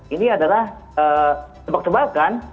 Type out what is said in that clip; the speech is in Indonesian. ini adalah tebak tebakan